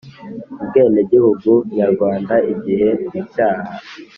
Ubwenegihugu nyarwanda igihe icyaha